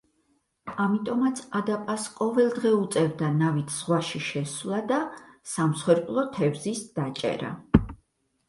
ამიტომაც ადაპას ყოველდღე უწევდა ნავით ზღვაში შესვლა და სამსხვერპლო თევზის დაჭერა.